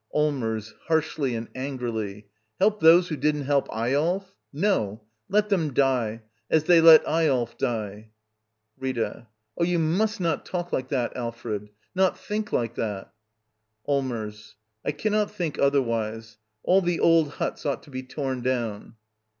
Allmers. [Harshly and angrily.] Help those who didn't help Eyolf? No! Let them die — as ^they let Eyolf die! Rita. Oh, you must not talk like that, Alfred ! Not think like that! Allmers. I cannot think otherwise. All the old huts ought to be torn down.